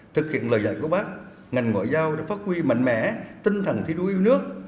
thực hiện lời dạy của bác ngành ngoại giao đã phát huy mạnh mẽ tinh thần thi đua yêu nước